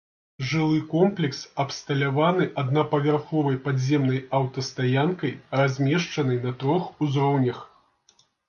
Жылы комплекс абсталяваны аднапавярховай падземнай аўтастаянкай, размешчанай на трох узроўнях.